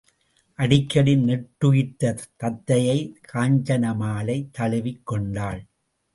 அடிக்கடி நெட்டுயிர்த்த தத்தையைக் காஞ்சனமாலை தழுவிக் கொண்டாள்.